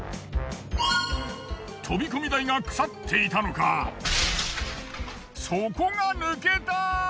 飛び込み台が腐っていたのか底が抜けた！